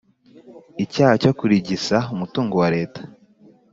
icyaha cyo kurigisa umutungo wa Leta